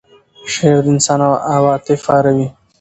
شعر د انسان عواطف پاروي.